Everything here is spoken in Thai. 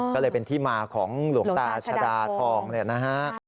ก็เลยเป็นที่มาของหลวงตาชดาทองเนี่ยนะฮะ